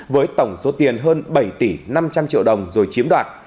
với tổng số tiền hơn bảy tỷ năm trăm linh triệu đồng rồi chiếm đoạt